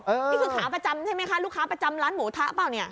นี่คือขาประจำใช่ไหมคะลูกค้าประจำร้านหมูทะเปล่าเนี่ย